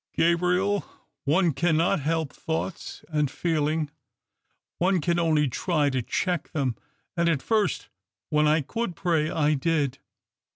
" Gabriel, one cannot help thoughts and feeling. One can only try to check them ; and, at first, when I could pray, I did."